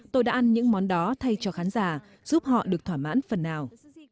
tôi đã ăn những món đó thay cho khán giả giúp họ được thỏa mãn phần nào